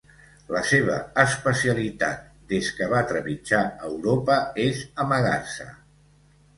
La seva especialitat des que va trepitjar Europa és amagar-se.